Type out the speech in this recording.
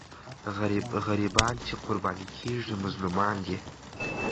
غریبان چې قرباني کېږي، مظلومان دي.